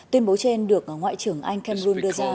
tuyên bố trên được ngoại trưởng anh camrun đưa ra